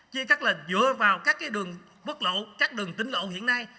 chia cắt là dựa vào các đường quốc lộ các đường tính lộ hiện nay